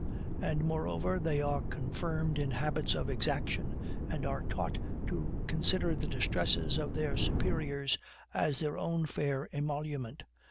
And moreover, they are confirmed in habits of exaction, and are taught to consider the distresses of their superiors as their own fair emolument.